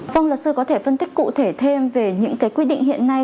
vâng luật sư có thể phân tích cụ thể thêm về những cái quy định hiện nay